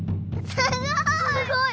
すごい！